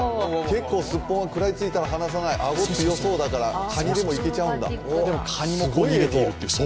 結構すっぽんは食らいついたら離さない、顎、強そうだから、かにでもいけちゃうんだ。